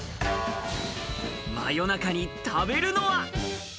真夜中に食べるのは？